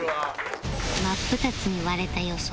真っ二つに割れた予想